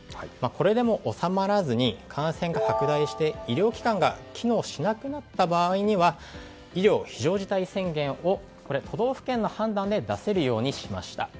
これでも収まらずに感染が拡大して医療機関が機能しなくなった場合には医療非常事態宣言を都道府県の判断で出せるようにしました。